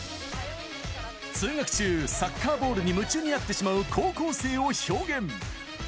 通学中、サッカーボールに夢中になってしまう高校生を表現。